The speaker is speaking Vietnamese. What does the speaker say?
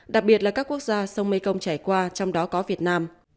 đặc biệt là các quốc gia sông mekong trải qua trong đó có việt nam